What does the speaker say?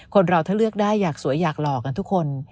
เราถ้าเลือกได้อยากสวยอยากหล่อกันทุกคน